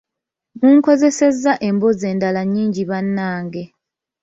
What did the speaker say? Munkozesezza emboozi endala nnyingi bannange.